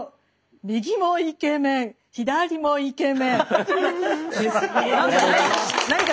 右もイケメン左もイケメン」です。